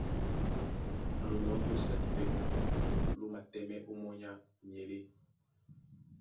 Lonɔ̌n lósadi pɛ́ ló matɛ́mɛ́ ómɔ́ny á myelé.